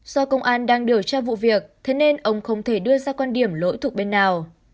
do công an đang điều tra vụ việc thế nên ông không thể đưa ra quan điểm lỗi thuộc bên nào